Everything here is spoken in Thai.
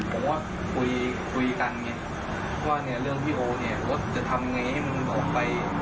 ผมว่าคุยกันว่าเรื่องพี่โอจะทำอย่างไรให้มันออกไป